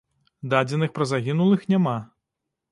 Дадзеных пра загінулых няма.